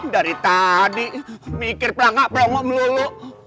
dari tadi mikir pikirnya ngak ngak ngak melulu